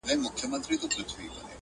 شاعرانو پکښي ولوستل شعرونه،